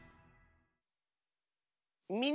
「みんなの」。